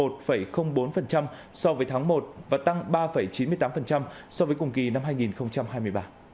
tăng một bốn so với tháng một và tăng ba chín mươi tám so với cùng kỳ năm hai nghìn hai mươi ba